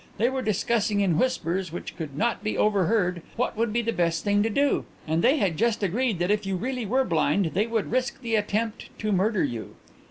They were discussing in whispers which could not be overheard what would be the best thing to do, and they had just agreed that if you really were blind they would risk the attempt to murder you.